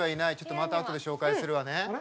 また、あとで紹介するわね。